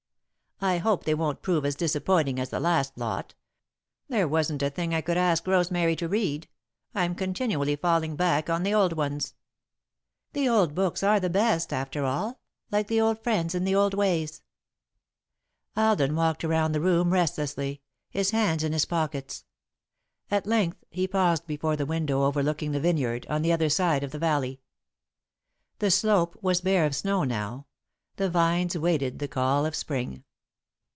"I hope they won't prove as disappointing as the last lot. There wasn't a thing I could ask Rosemary to read. I'm continually falling back on the old ones." "The old books are the best, after all, like the old friends and the old ways." Alden walked around the room restlessly, his hands in his pockets. At length he paused before the window overlooking the vineyard, on the other side of the valley. The slope was bare of snow, now; the vines waited the call of Spring.